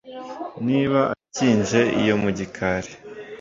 Niba akinje iyo mu gikari